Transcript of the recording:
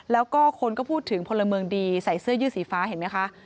แล้วก็คนก็พูดถึงพลเมืองดีใส่เสื้อยืดสีฟ้าเห็นไหมคะ